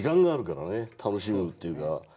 楽しむっていうか。